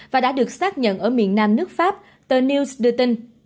và đã được xác nhận ở miền nam nước pháp tờ news đưa tin